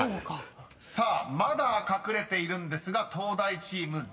［さあまだ隠れているんですが東大チームどうでしょうか？］